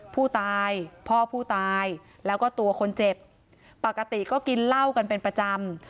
ผู้ตายพ่อผู้ตายแล้วก็ตัวคนเจ็บปกติก็กินเหล้ากันเป็นประจำ